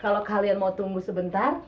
kalau kalian mau tunggu sebentar